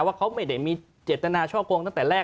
ว่าเขาไม่ได้มีเจตนาช่อโกงตั้งแต่แรก